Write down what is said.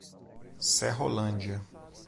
Serrolândia